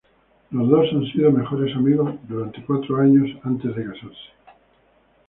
Los dos han sido mejores amigos por cuatro años antes de casarse.